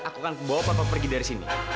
aku akan bawa papa pergi dari sini